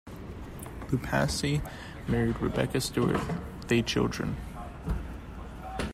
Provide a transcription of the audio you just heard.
Loupassi married Rebecca Stewart; they children.